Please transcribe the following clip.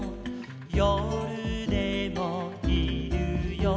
「よるでもいるよ」